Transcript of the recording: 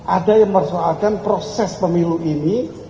ada yang mempersoalkan proses pemilu ini